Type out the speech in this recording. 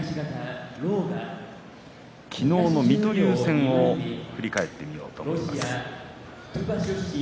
昨日の水戸龍戦を振り返ってみようと思います。